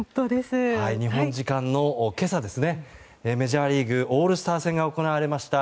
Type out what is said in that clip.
日本時間の今朝メジャーリーグオールスター戦が行われました